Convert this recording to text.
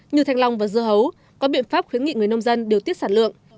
như thanh long và dưa hấu có biện pháp khuyến nghị người nông dân điều tiết sản lượng